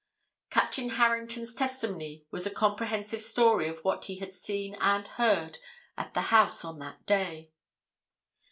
Captain Harrington's testimony was a comprehensive story of what he had seen and heard at the house on that day.